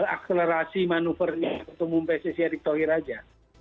akselerasi manuvernya ketemu pssi erick thohir aja